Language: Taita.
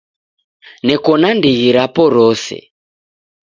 Neko na ndighi rapo rose.